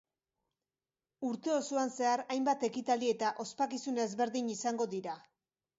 Urte osoan zehar, hainbat ekitaldi eta ospakizun ezberdin izango dira.